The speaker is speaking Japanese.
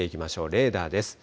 レーダーです。